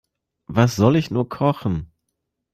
Was soll ich nur kochen?